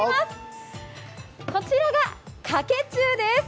こちらが、かけ中です。